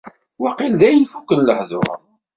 Waqil dayen fukken lehdur.